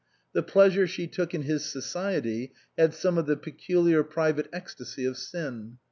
The pleasure she took in his society had some of the peculiar private ecstasy of sin.